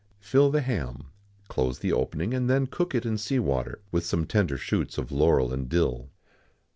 Fill the ham, close the opening, and then cook it in sea water, with some tender shoots of laurel and dill.